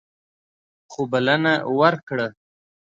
خو بلنه ورکړه.